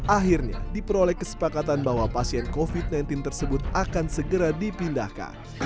akhirnya diperoleh kesepakatan bahwa pasien covid sembilan belas tersebut akan segera dipindahkan